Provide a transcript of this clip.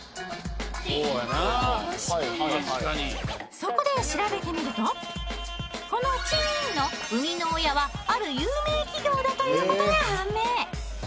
そこで調べてみるとこの「チン」の生みの親はある有名企業だという事が判明